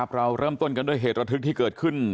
เราเริ่มต้นกันด้วยเหตุระทึกที่เกิดขึ้น